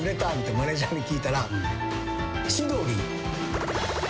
マネージャーに聞いたら。